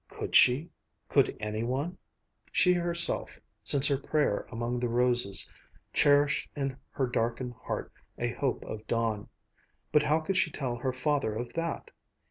Could she? Could any one? She herself, since her prayer among the roses, cherished in her darkened heart a hope of dawn. But how could she tell her father of that?